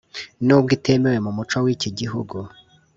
nubwo itemewe mu muco w’iki Gihugu